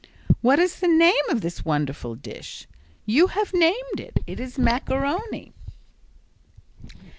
"What is the name of this wonderful dish?" "You have named it. It is macaroni."